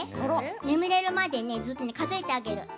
眠れるまでねずっと数えてあげる。